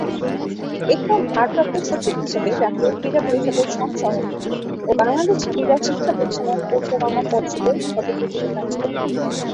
এরপর ভারপ্রাপ্ত সচিব হিসেবে জাতীয় ক্রীড়া পরিষদের সহসভাপতি ও বাংলাদেশ ক্রীড়া শিক্ষা প্রতিষ্ঠানের পরিচালনা পর্ষদের সদস্য হিসেবে কাজ করন।